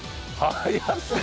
早すぎ。